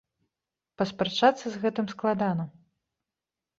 Паспрачацца з гэтым складана.